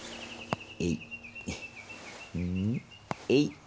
えい。